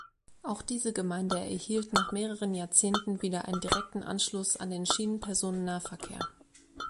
Auch diese Gemeinde erhielt nach mehreren Jahrzehnten wieder einen direkten Anschluss an den Schienenpersonennahverkehr.